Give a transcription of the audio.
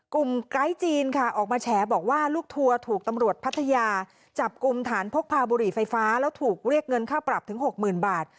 ไกด์จีนค่ะออกมาแฉบอกว่าลูกทัวร์ถูกตำรวจพัทยาจับกลุ่มฐานพกพาบุหรี่ไฟฟ้าแล้วถูกเรียกเงินค่าปรับถึง๖๐๐๐บาท